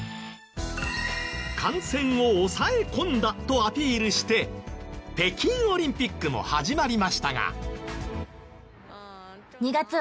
「感染を抑え込んだ」とアピールして北京オリンピックも始まりましたが。